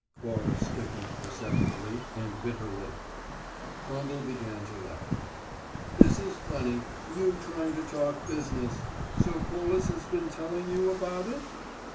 Cora stiffened perceptibly and bit her lip. Trumble began to laugh. "This is funny: you trying to talk business! So Corliss has been telling you about it?"